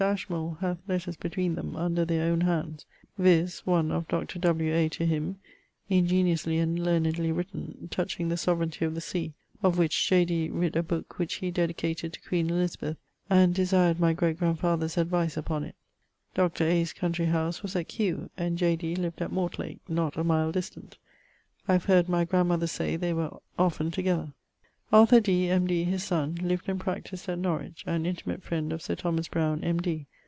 Ashmole hath letters between them, under their owne hands, viz. one of Dr. W. A. to him (ingeniosely and learnedly written) touching the Sovraignty of the Sea, of which J. D. writt a booke which he dedicated to queen Elizabeth and desired my great grandfather's advice upon it. Dr. A.'s countrey house was at Kew, and J. Dee lived at Mortlack, not a mile distant. I have heard my grandmother say they were often together. Arthur Dee, M.D., his son, lived and practised at Norwich, an intimate friend of Sir Thomas Browne, M.D.